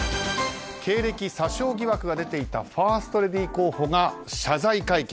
経歴詐称疑惑が出ていたファーストレディー候補が謝罪会見。